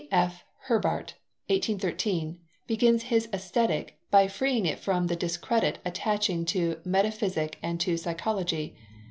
G.F. Herbart (1813) begins his Aesthetic by freeing it from the discredit attaching to Metaphysic and to Psychology.